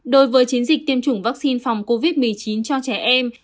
đối với chiến dịch tiêm chủng vaccine phòng covid một mươi chín cho trẻ em